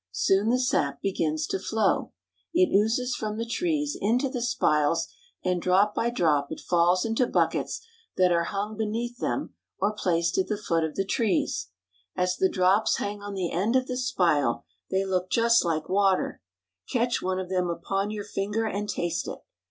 Soon the sap begins to flow. It oozes from the trees into the spiles, and drop by drop it falls into buckets that are hung beneath them or placed at the foot of the trees. As the drops hang on the end of the spile 1 I fi^ m uJ^ ^ ^pps Collecting Sugar Water — Vermont. they look just like water. Catch one of them upon your finger and taste it.